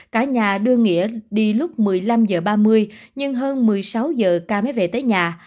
cả nhà đưa nghĩa đi lúc một mươi năm h ba mươi nhưng hơn một mươi sáu giờ ca mới về tới nhà